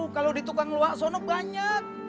kalau di tukang loak sono banyak